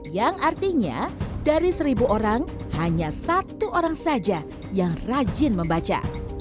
yang artinya dari seribu orang hanya satu orang saja yang rajin membaca